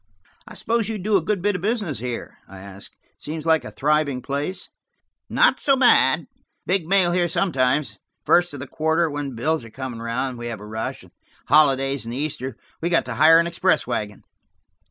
"I suppose you do a good bit of business here?" I asked. "It seems like a thriving place." "Not so bad; big mail here sometimes. First of the quarter, when bills are coming round, we have a rush, and holidays and Easter we've got to hire an express wagon."